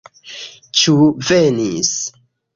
Ĉu venis?